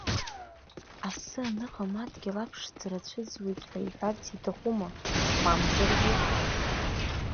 Асы аныҟам адгьыл аԥшӡара ацәыӡуеит ҳәа иҳәарц иҭахума, мамзаргьы?